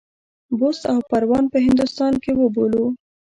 بُست او پروان په هندوستان کې وبولو.